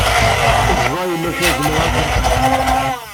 Ẓẓay maca zemreɣ ad t-refdeɣ.